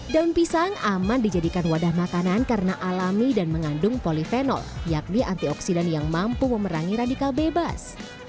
daun pisang aman dijadikan wadah makanan karena alami dan mengandung polifenol yakni antioksidan yang mampu memerangi radikal bebas